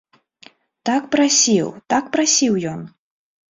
Так прасіў, так прасіў ён.